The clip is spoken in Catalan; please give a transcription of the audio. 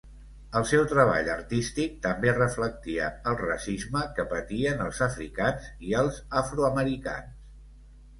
El seu treball artístic també reflectia el racisme que patien els africans i els afroamericans.